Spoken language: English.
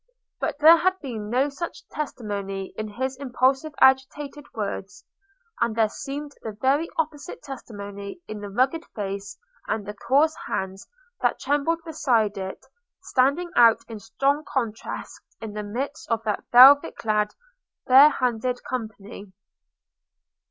But there had been no such testimony in his impulsive agitated words: and there seemed the very opposite testimony in the rugged face and the coarse hands that trembled beside it, standing out in strong contrast in the midst of that velvet clad, fair handed company.